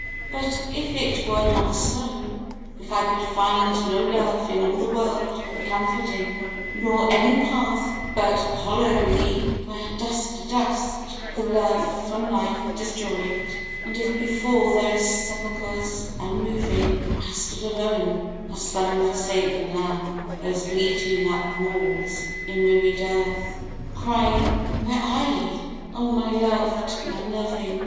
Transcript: But if it were not so, — if I could find No love in all the world for comforting, Nor any path but hollowly did ring, Where "dust to dust"the love from life disjoined And if before those sepulchres unmoving I stood alone (as some forsaken lamb Goes bleating up the moors in weary dearth), Crying, " Where are ye, O my loved and loving?"